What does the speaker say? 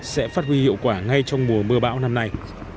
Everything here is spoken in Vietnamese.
sẽ phát huy hiệu quả ngay trong mùa mưa bão năm nay